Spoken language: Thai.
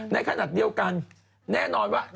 ในขณะเดียวกันแน่นอนว่า